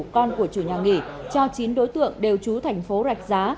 con của chủ nhà nghỉ cho chín đối tượng đều trú thành phố rạch giá